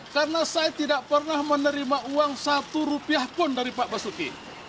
karena saya tidak pernah menerima uang satu rupiah pun dari pak basuki